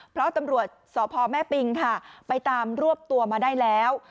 เพราะตำรวจสพแม่ปิงค่ะไปตามรวบตัวมาได้แล้ว